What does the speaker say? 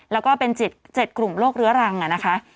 แล้วก็เป็น๗กลุ่มโรคเรื้อรังนะคะ